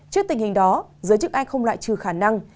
trước tình hình đó giới chức anh không loại trừ khả năng